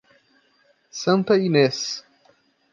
Santa Inês